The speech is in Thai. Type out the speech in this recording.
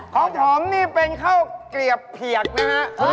ของถมกร์นี่เป็นข้าวเกลียบเหี่ยกนะคะ